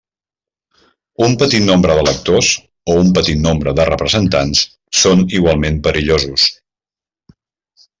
Un petit nombre d'electors, o un petit nombre de representats, són igualment perillosos.